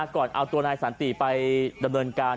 ก่อนเอาตัวนายสันติไปดำเนินการ